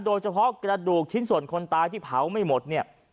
โดยเฉพาะกระดูกชิ้นส่วนคนตายที่เผาไม่หมดเนี่ย